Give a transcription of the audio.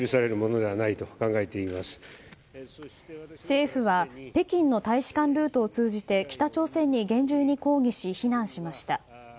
政府は北京の大使館ルートを通じて北朝鮮に厳重に抗議し非難しました。